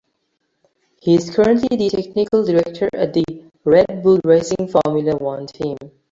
He is currently the technical director at the Red Bull Racing Formula One team.